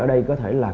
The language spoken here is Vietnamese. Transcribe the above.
ở đây có thể là